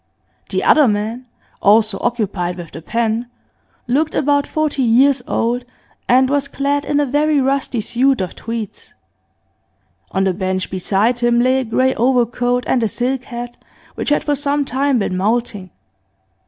The other man, also occupied with the pen, looked about forty years old, and was clad in a very rusty suit of tweeds; on the bench beside him lay a grey overcoat and a silk hat which had for some time been moulting.